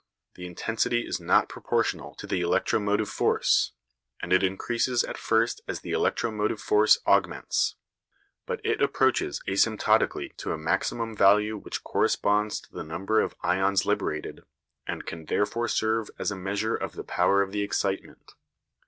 The intensity is not proportional to the electromotive force, and it increases at first as the electromotive force augments; but it approaches asymptotically to a maximum value which corresponds to the number of ions liberated, and can therefore serve as a measure of the power of the excitement.